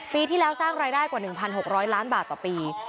ปีที่แล้วสร้างรายได้กว่า๑๖๐๐ล้านบาทต่อปี